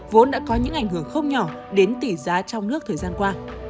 vốn đã có những ảnh hưởng không nhỏ đến tỷ giá trong nước thời gian qua